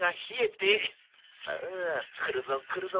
さあくるぞくるぞ。